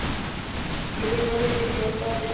ګلې مړې دې بې وفا دي.